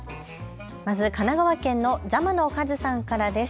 まず神奈川県のざまのカズさんからです。